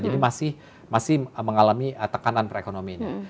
tapi masih mengalami tekanan perekonomianya